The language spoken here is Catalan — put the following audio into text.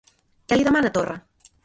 Què li demana Torra?